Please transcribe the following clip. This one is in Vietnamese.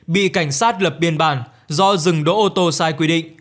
bị cảnh sát lập biên bản do dừng đỗ ô tô sai quy định